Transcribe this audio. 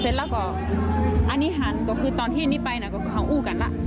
เสร็จแล้วก็อันนี้หันก็คือตอนที่อันนี้ไปนะก็เขาอู้กันแล้ว